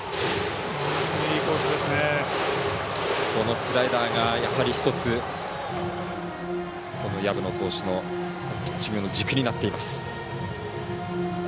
スライダーが１つこの薮野投手のピッチングの軸になっています。